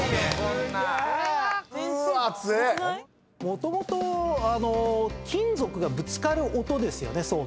もともと金属がぶつかる音ですよね錚って。